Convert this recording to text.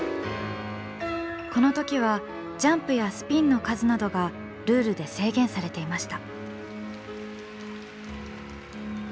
このときはジャンプやスピンの数などがルールで制限されていました。